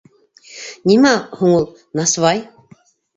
Нимә һуң ул насвай?